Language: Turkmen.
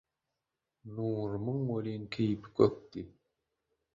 Nurumyň welin keýpi kökdi: